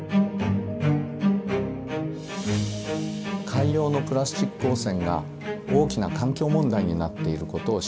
海洋のプラスチック汚染が大きな環境問題になっていることを知ってると思います。